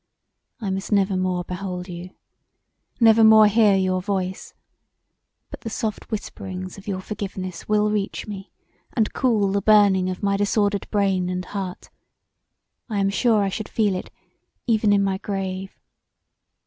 I must never more behold you; never more hear your voice; but the soft whisperings of your forgiveness will reach me and cool the burning of my disordered brain and heart; I am sure I should feel it even in my grave.